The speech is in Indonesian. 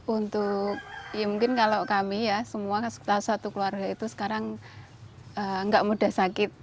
untuk ya mungkin kalau kami ya semua satu keluarga itu sekarang nggak mudah sakit